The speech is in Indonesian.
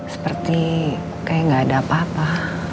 seperti kayak gak ada apa apa